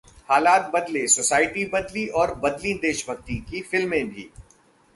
हालात बदले, सोसाइटी बदली और बदलीं देशभक्ति की फिल्में भी...